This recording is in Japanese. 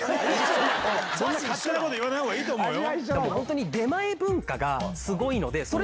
勝手なこと言わない方がいいと思うよ。